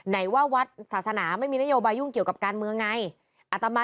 ไหนว่าวัดศาสนาไม่มีนโยบายยุ่งเกี่ยวกับการเมืองไงอัตมา